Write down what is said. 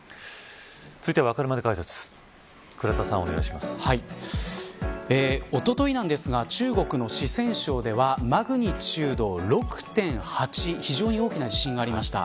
続いては、わかるまで解説おとといなんですが中国の四川省ではマグニチュード６．８非常に大きな地震がありました。